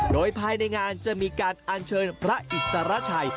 โดยภายในงานจะมีการอัญเชิญพระอิสระชัย